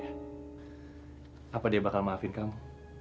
hai apa dia bakal maafin kamu